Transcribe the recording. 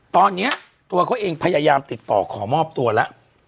ตอนนี้ตัวเขาเองพยายามติดต่อขอมอบตัวแล้ว